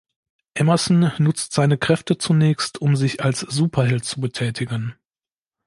Emerson nutzt seine Kräfte zunächst um sich als Superheld zu betätigen.